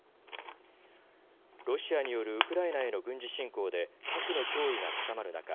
ロシアによるウクライナへの軍事侵攻で核の脅威が高まる中